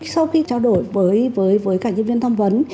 sau khi trao đổi với cả nhân viên tham vấn